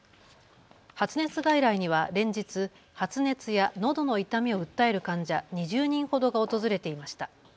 発熱外来には連日、発熱やのどの痛みを訴える患者２０人ほどが訪れていました。